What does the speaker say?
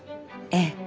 ええ。